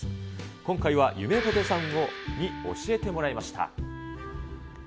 今回はゆめぽてさんに教えてもらいました。